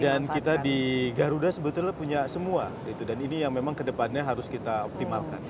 dan kita di garuda sebetulnya punya semua dan ini yang memang ke depannya harus kita optimalkan